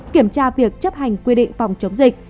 kiểm tra việc chấp hành quy định phòng chống dịch